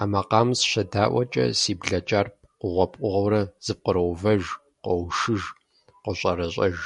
А макъамэм сыщедаӏуэкӏэ, си блэкӏар пкъыгъуэ пкъыгъуэурэ зэпкъыроувэж, къоушыж, къощӏэрэщӏэж.